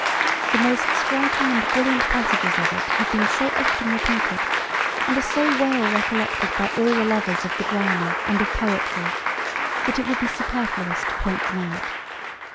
The most striking and brilliant passages of it have been so often repeated, and are so well recollected by all the lovers of the drama and of poetry, that it would be superfluous to point them out.